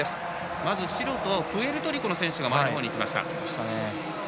まずプエルトリコの選手が前のほうにいきました。